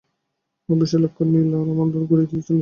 ও বিশালাকার আর নীল আর আমাদের গুঁড়িয়ে দিতে চলেছে।